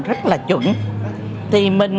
rất là chuẩn thì mình